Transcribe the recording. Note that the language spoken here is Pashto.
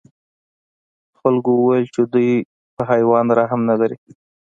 خلکو وویل چې دوی په حیوان رحم نه لري.